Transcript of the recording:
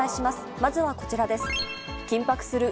まずはこちらです。